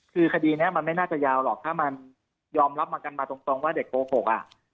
คือคดีนี้มันไม่น่าจะยาวหรอกถ้ามันยอมรับมากันมาตรงว่าเด็กโกหกอ่ะ